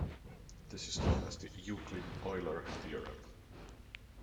This is known as the Euclid-Euler theorem.